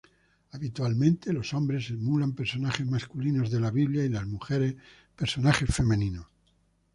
Habitualmente los hombres emulan personajes masculinos de la Biblia y las mujeres, personajes femeninos.